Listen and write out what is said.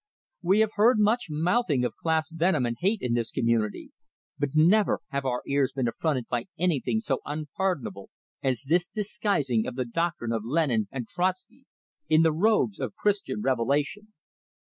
We have heard much mouthing of class venom and hate in this community, but never have our ears been affronted by anything so unpardonable as this disguising of the doctrine of Lenin and Trotsky in the robes of Christian revelation.